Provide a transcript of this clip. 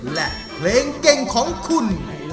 และเพลงเก่งของคุณ